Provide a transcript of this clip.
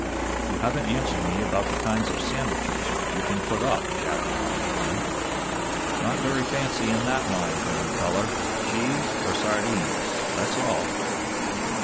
"You haven't answered me about the kinds of sandwiches you can put up," Jack reminded him. "Not very fancy in that line, young feller. Cheese, or sardines; that's all."